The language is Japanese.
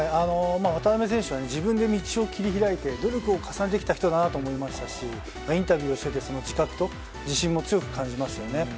渡邊選手は自分で道を切り開いて努力を重ねてきた人だなと思いましたしインタビューしていてその自覚と自信も強く感じますね。